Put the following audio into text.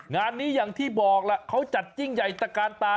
งานนี้อย่างที่บอกล่ะเขาจัดยิ่งใหญ่ตะกานตา